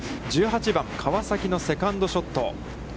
１８番、川崎のセカンドショット。